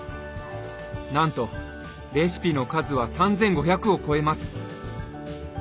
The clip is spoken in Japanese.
なんとレシピの数は３，５００を超えます。